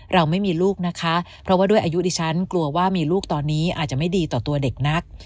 เราไม่มีลูกนะคะเพราะว่าด้วยอายุดิฉันกลัวว่ามีลูกตอนนี้อาจจะไม่ดีต่อตัวเด็กนัก